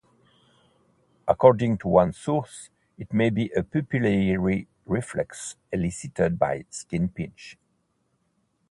According to one source, it may be a pupillary reflex elicited by skin pinch.